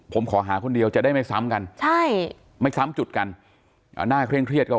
ผมขอหาคนเดียวจะได้ไม่ซ้ำกันใช่ไม่ซ้ำจุดกันอ่าหน้าเคร่งเครียดก็